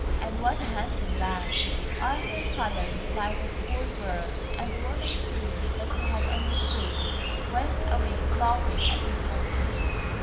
"And what a handsome lad!" Arthur coloured like a schoolgirl, and the woman, seeing that he had understood, went away laughing at his confusion.